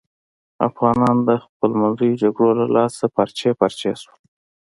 افغانان د خپلمنځیو جگړو له لاسه پارچې پارچې شول.